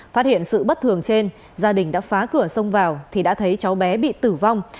phát hiện sự bất thường trên gia đình đã phá cửa sông vào thì đã thấy cháu bé bị tử vong